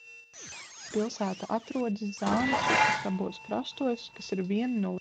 Pilsēta atrodas Zānes upes abos krastos, kas ir viena no lielākajām upēm Šveicē.